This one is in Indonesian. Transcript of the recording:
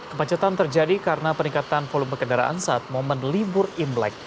kemacetan terjadi karena peningkatan volume kendaraan saat momen libur imlek